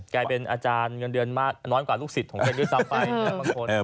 กลายเป็นอาจารย์เงินเดือนมากน้อยกว่าลูกศิษย์ของเธอด้วยซ้ำไปบางคน